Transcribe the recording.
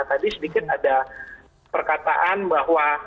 tadi sedikit ada perkataan bahwa